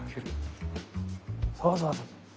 そうそうそう。